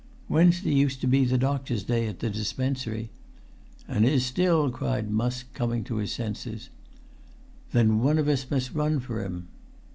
"Wednesday used to be the doctor's day at the dispensary——" "And is still," cried Musk, coming to his senses. "Then one of us must run for him."